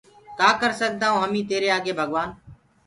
ڪآ ڪر سگدآئونٚ هميٚ تيريٚ آگي ڀگوآن